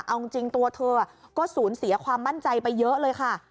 เอาจริงตัวเธอก็สูญเสียความมั่นใจไปเยอะเลยค่ะ